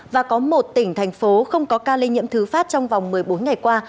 và có một tỉnh thành phố không có ca lây nhiễm thứ phát trong vòng một mươi bốn ngày qua